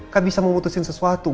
gak bisa memutusin sesuatu